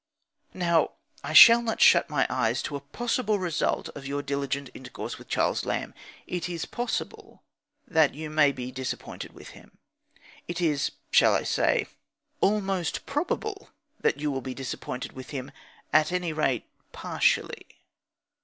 Now, I shall not shut my eyes to a possible result of your diligent intercourse with Charles Lamb. It is possible that you may be disappointed with him. It is shall I say? almost probable that you will be disappointed with him, at any rate partially.